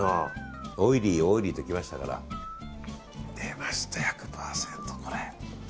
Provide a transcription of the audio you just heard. オイリー、オイリーときましたから出ました、１００％のこれ。